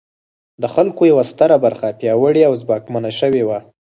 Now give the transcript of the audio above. د خلکو یوه ستره برخه پیاوړې او ځواکمنه شوې وه.